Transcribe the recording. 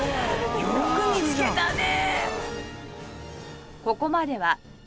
よく見つけたね！